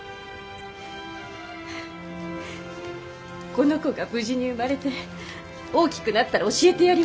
この子が無事に生まれて大きくなったら教えてやります。